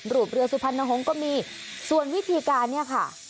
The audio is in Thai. รูปเรือสุพรรณหงษ์ก็มีส่วนวิธีการเนี่ยค่ะ